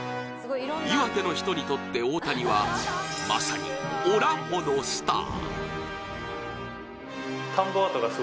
岩手の人にとって大谷はまさにおらほのスター。